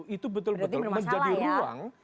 itu betul betul menjadi ruang